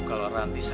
tapi ranti juga tahu